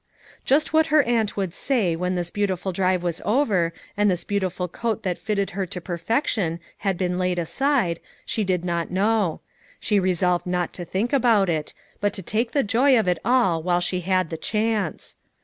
Just what her aunt would say when this beautiful drive was over and this beautiful coat that fitted her to perfection had been laid aside, she did not know; she resolved not to think about it, but to take the joy of it all while she had the chance.